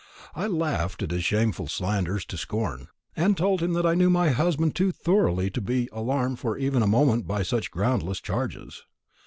I laughed his shameful slanders to scorn, and told him that I knew my husband too thoroughly to be alarmed even for a moment by such groundless charges.